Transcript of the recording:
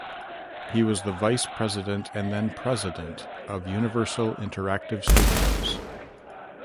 He was the vice president and then president of Universal Interactive Studios.